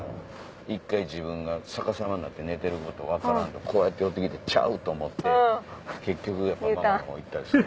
１回自分が逆さまになって寝てること分からんとこうやって寄って来てちゃうと思って結局やっぱママのほうに行ったりする。